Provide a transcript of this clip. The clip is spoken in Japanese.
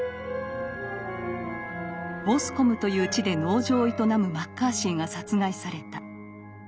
ボスコムという地で農場を営むマッカーシーが殺害された。